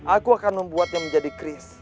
aku akan membuatnya menjadi kris